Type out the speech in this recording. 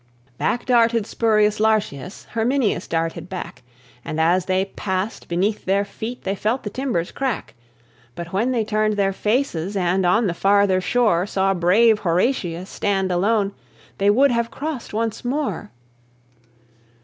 Back darted Spurius Lartius; Herminius darted back: And, as they passed, beneath their feet They felt the timbers crack. But when they turned their faces, And on the farther shore Saw brave Horatius stand alone, They would have crossed once more.